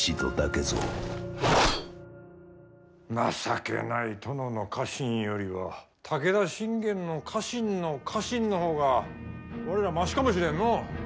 情けない殿の家臣よりは武田信玄の家臣の家臣の方が我らマシかもしれんのう。